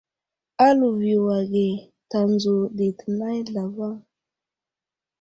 A liviyo age tanzo ɗi tənay zlavaŋ.